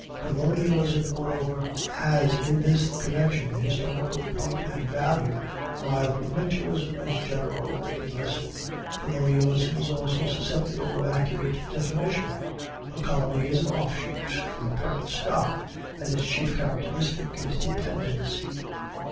"Colonialism," moreover, has in this connection historical point and value, while "provincialism" is general and meaningless. Colonialism is also susceptible of accurate definition. A colony is an off shoot from a parent stock, and its chief characteristic is dependence.